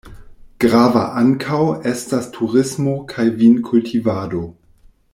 Grava ankaŭ estas turismo kaj vinkultivado.